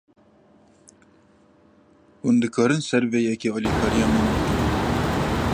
Hûn dikarin ser vê yekê alîkariya min bikin